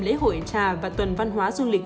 lễ hội trà và tuần văn hóa du lịch